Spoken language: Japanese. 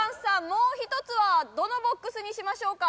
もう一つはどのボックスにしましょうか？